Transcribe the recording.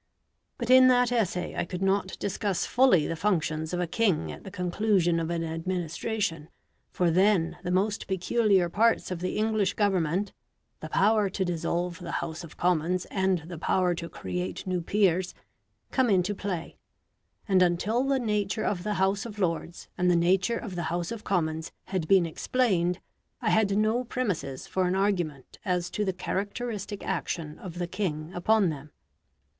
But in that essay I could not discuss fully the functions of a king at the conclusion of an administration, for then the most peculiar parts of the English Government the power to dissolve the House of Commons, and the power to create new peers come into play, and until the nature of the House of Lords and the nature of the House of Commons had been explained, I had no premises for an argument as to the characteristic action of the king upon them.